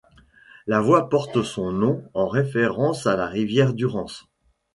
La voie porte son nom en référence à la rivière Durance.